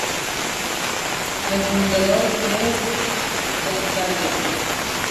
Es fundador de "Concordia.